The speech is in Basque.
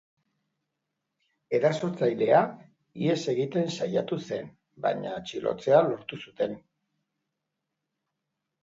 Erasotzailea ihes egiten saiatu zen, baina atxilotzea lortu zuten.